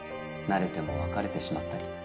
なれても別れてしまったり。